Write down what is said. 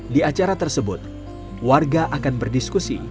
di acara tersebut warga akan berdiskusi